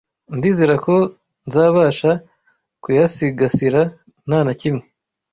ndizera ko nzabasha kuyasigasira nta na kimwe